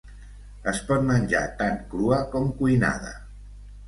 Es pot menjar tant crua com cuinada.